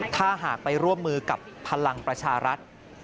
ถ้าหากไปร่วมมือกับพลังประชารัฐ